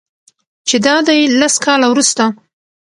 چې دادی لس کاله وروسته